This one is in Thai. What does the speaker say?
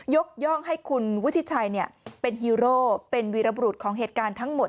ยกย่องให้คุณวุฒิชัยเป็นฮีโร่เป็นวีรบรุษของเหตุการณ์ทั้งหมด